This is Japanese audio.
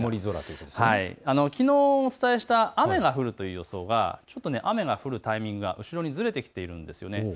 きのうお伝えした雨が降ると予想が雨が降るタイミングが後ろにずれてきているんですよね。